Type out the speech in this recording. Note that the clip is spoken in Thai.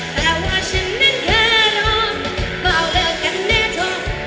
แต่ว่าฉันนั้นแค่รอเปล่าเลือกกันแน่ทอง